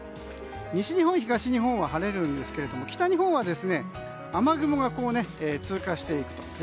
西日本、東日本は晴れるんですが北日本は雨雲が通過していくと。